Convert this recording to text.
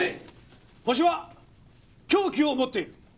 ホシは凶器を持っている。